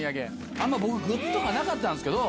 あんま僕グッズとかなかったんすけど。